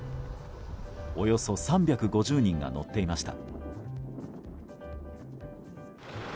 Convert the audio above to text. およそ３５０人が乗っていました。